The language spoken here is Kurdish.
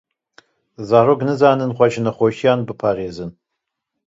Zarok nizanin xwe ji nexweşiyan biparêzin.